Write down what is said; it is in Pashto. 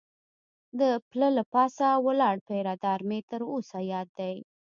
د پله له پاسه ولاړ پیره دار مې تر اوسه یاد دی.